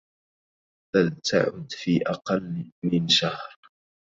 فلتعد في أقل من شهر.